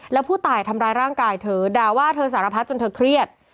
แล้วผู้ตายทำร้ายร่างกายเธอด่าว่าเธอสารพัดจนเธอเครียด